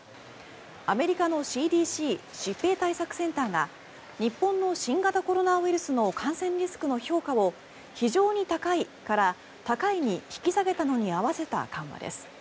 アメリカのＣＤＣ・疾病対策センターが日本の新型コロナウイルスの感染リスクの評価を非常に高いから高いに引き下げたのに合わせた緩和です。